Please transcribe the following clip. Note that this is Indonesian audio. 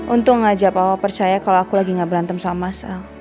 untung aja papa percaya kalau aku lagi gak berantem sama mas